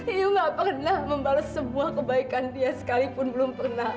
ibu tidak pernah membalas semua kebaikan dia sekalipun belum pernah